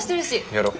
やろう。